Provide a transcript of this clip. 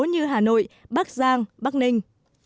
như hà nội bắc giang bắc ninh